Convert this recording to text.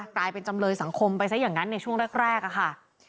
กลายเป็นจำเลยสังคมไปซะอย่างนั้นในช่วงแรกอะค่ะ